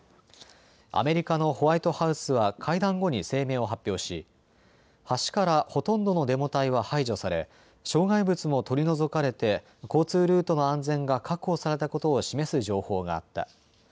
アメリカのホワイトハウスは会談後に声明を発表し橋からほとんどのデモ隊は排除され障害物も取り除かれて交通ルートの安全が確保されたことを示す情報があった。